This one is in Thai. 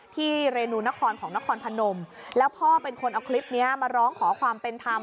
เรนูนครของนครพนมแล้วพ่อเป็นคนเอาคลิปนี้มาร้องขอความเป็นธรรม